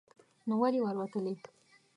نو ولې ور وتلې